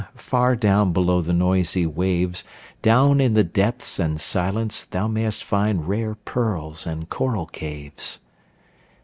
far down below the noisy waves, Down in the depths and silence thou mayst find Rare pearls and coral caves.